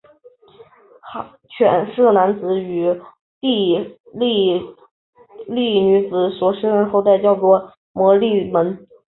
吠舍男子与刹帝利女子所生下的后代叫做摩偈闼。